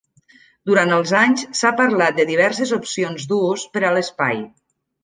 Durant els anys, s'ha parlat de diverses opcions d'ús per a l'espai.